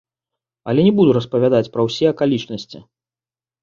Але не буду распавядаць пра ўсе акалічнасці.